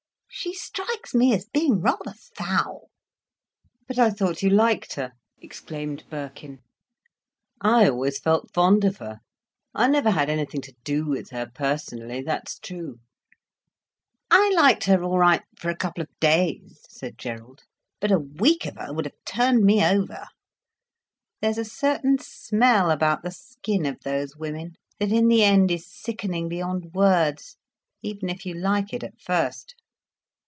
She strikes me as being rather foul." "But I thought you liked her," exclaimed Birkin. "I always felt fond of her. I never had anything to do with her, personally, that's true." "I liked her all right, for a couple of days," said Gerald. "But a week of her would have turned me over. There's a certain smell about the skin of those women, that in the end is sickening beyond words—even if you like it at first."